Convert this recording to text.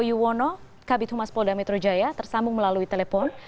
yuwono kabit humas polda metro jaya tersambung melalui telepon